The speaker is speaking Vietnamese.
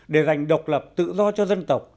để gành độc lập tự do cho dân tộc